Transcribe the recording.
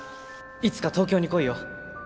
いつか東京に来いよ。